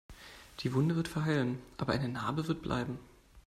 Die Wunde wird verheilen, aber eine Narbe wird bleiben.